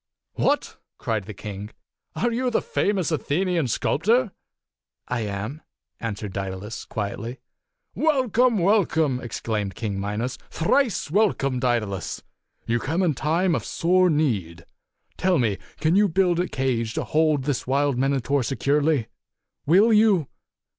"What!" cried the king. "Are you the fa mous Athenian sculptor?" " I am," answered Daedalus, quietly. "Welcome! Welcome!" exclaimed King Mi 270 nos. "Thrice welcome, Daedalus! You come in time of sore need. Tell me, can you build a cage to hold this wild Minotaur securely? Will you?"